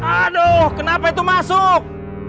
aduh kenapa itu masuk